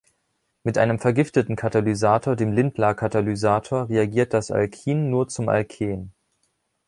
Mit einem vergifteten Katalysator, dem Lindlar-Katalysator, reagiert das Alkin nur zum Alken.